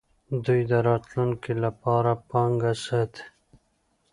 دوی د راتلونکي لپاره پانګه ساتي.